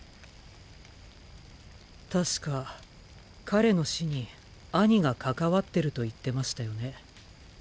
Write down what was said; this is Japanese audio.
確か彼の死にアニが関わってると言ってましたよね？